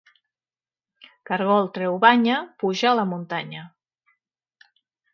Cargol treu banya, puja a la muntanya